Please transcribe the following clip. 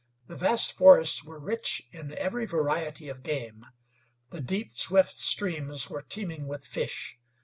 The vast forests were rich in every variety of game; the deep, swift streams were teeming with fish.